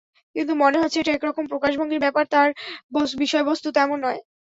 কিন্তু মনে হচ্ছে, এটা একরকম প্রকাশভঙ্গির ব্যাপার, তার বিষয়বস্তু তেমন নয়।